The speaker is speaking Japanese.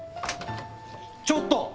ちょっと！